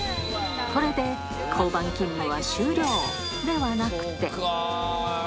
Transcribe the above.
これで交番勤務は終了ではなくて。